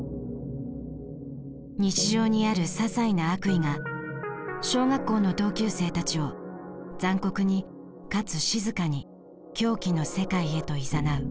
日常にあるささいな悪意が小学校の同級生たちを残酷にかつ静かに狂気の世界へといざなう。